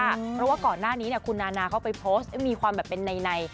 เพราะว่าก่อนหน้านี้คุณนานาเขาไปโพสต์มีความแบบเป็นใน